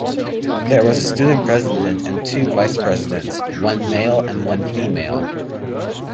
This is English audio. There was a Student President and two Vice-Presidents, one male and one female.